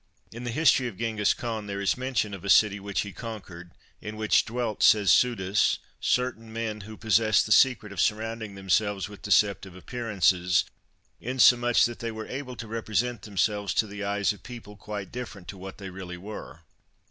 In the history of Gengis Khan, there is mention of a city which he conquered—"in which dwelt," says Suidas, "certain men, who possessed the secret of surrounding themselves with deceptive appearances, insomuch that they were able to represent themselves to the eyes of people quite different to what they really were."